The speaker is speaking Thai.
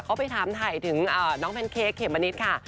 เขาไปถามถ่ายถึงน้องแพนเค้กเขมมะนิดค่ะ